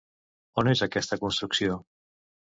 On és aquesta construcció?